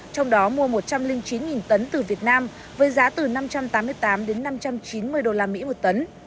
trong đó mua một trăm linh chín tấn từ việt nam với giá từ năm trăm tám mươi tám đến năm trăm chín mươi usd một tấn